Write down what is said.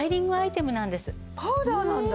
パウダーなんだ。